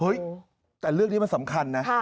แต่เรื่องนี้มันสำคัญนะ